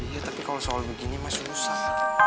iya tapi kalau soal begini masih rusak